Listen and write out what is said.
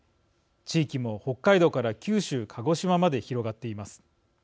地域も北海道から九州鹿児島まで広がっています。